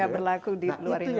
berlaku di luar indonesia